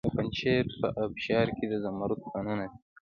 د پنجشیر په ابشار کې د زمرد کانونه دي.